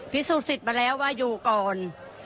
สูจนสิทธิ์มาแล้วว่าอยู่ก่อน